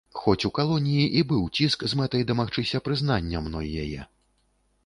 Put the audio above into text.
Хоць у калоніі і быў ціск з мэтай дамагчыся прызнання мной яе.